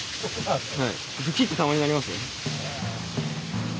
グキッてたまになりますよ。